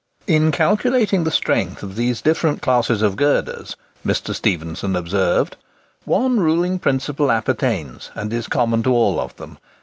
"In calculating the strength of these different classes of girders," Mr. Stephenson observed, "one ruling principle appertains, and is common to all of them.